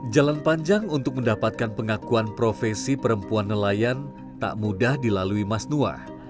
jalan panjang untuk mendapatkan pengakuan profesi perempuan nelayan tak mudah dilalui mas nuah